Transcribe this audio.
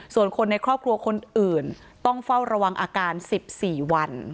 ส่วนคนในครอบครัวคนอื่นต้องเฝ้าระวังอาการ๑๔วัน